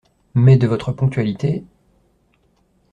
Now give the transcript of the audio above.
Mais de votre ponctualité…